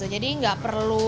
jadi tidak perlu